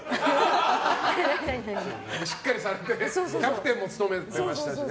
しっかりされて、キャプテンも務めてらっしゃいましたし。